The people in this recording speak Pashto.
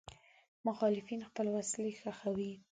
مخالفین خپل وسلې ښخوي.